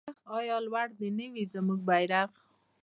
آیا لوړ دې نه وي زموږ بیرغ؟